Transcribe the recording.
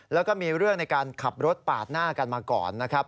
แล้วก็มีเรื่องในการขับรถปาดหน้ากันมาก่อนนะครับ